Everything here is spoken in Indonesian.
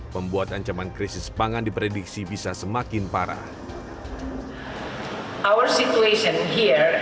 membuat ancaman krisis pangan diprediksi bisa semakin parah